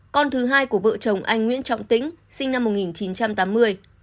con thứ hai của vợ chồng anh nguyễn trọng tĩnh sinh năm một nghìn chín trăm tám mươi